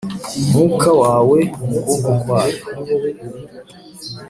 Umwuka wawe mu kuboko kwayo .